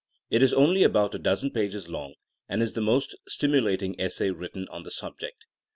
It is only about a dozen pages long, and is the most stimulating essay written on the subject.